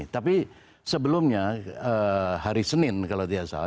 tapi sebelumnya hari senin kalau tidak salah